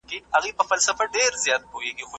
هغه وايي دا کار ډېر پام اړوونکی دی.